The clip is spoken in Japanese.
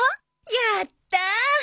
やったー！